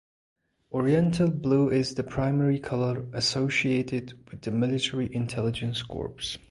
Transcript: Oriental blue is the primary color associated with the Military Intelligence Corps.